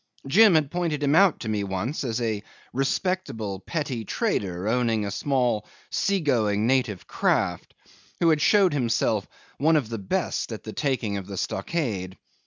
Jim had pointed him out to me once as a respectable petty trader owning a small seagoing native craft, who had showed himself "one of the best at the taking of the stockade."